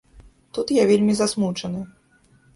Тут я вельмі засмучаны.